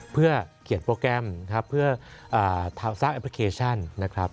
เพื่อเขียนโปรแกรมนะครับเพื่อสร้างแอปพลิเคชันนะครับ